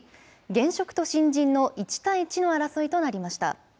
現職と新人の１対１の争いとなりました。